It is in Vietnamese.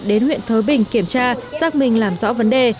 đến huyện thớ bình kiểm tra giác minh làm rõ vấn đề